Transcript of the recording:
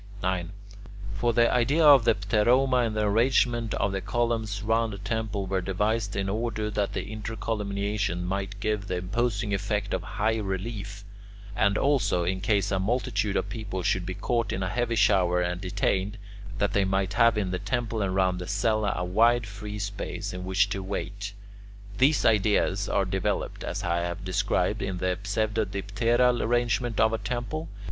9. For the idea of the pteroma and the arrangement of the columns round a temple were devised in order that the intercolumniations might give the imposing effect of high relief; and also, in case a multitude of people should be caught in a heavy shower and detained, that they might have in the temple and round the cella a wide free space in which to wait. These ideas are developed, as I have described, in the pseudodipteral arrangement of a temple.